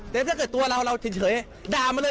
แต่ถ้าเกิดตัวเราเราเฉยด่ามาเลย